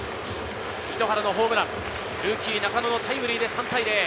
糸原のホームラン、ルーキー・中野のタイムリーで３対０。